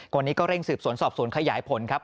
วันนี้ก็เร่งสืบสวนสอบสวนขยายผลครับ